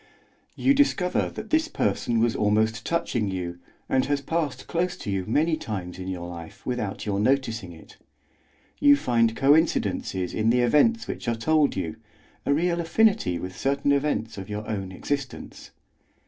You discover that this person was almost touching you and has passed close to you many times in your life without your noticing it; you find coincidences in the events which are told you, a real affinity with certain events of your own existence.